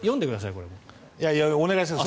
それはお願いします。